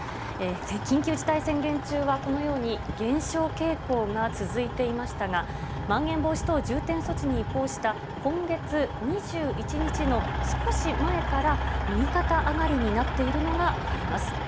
緊急事態宣言中はこのように減少傾向が続いていましたが、まん延防止等重点措置に移行した今月２１日の少し前から、右肩上がりになっているのが分かります。